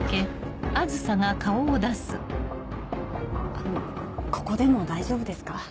あのここでも大丈夫ですか？